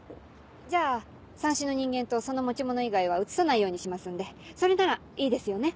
じゃあさんしの人間とその持ち物以外は映さないようにしますんでそれならいいですよね。